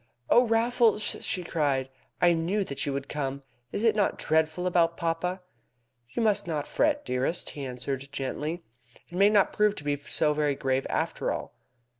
"Oh, Raffles!" she cried, "I knew that you would come. Is it not dreadful about papa?" "You must not fret, dearest," he answered gently. "It may not prove to be so very grave after all."